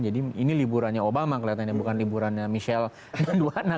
jadi ini liburannya obama kelihatannya bukan liburannya michelle dan dua anak